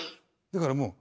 だからもう